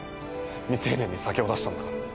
未成年に酒を出したんだから。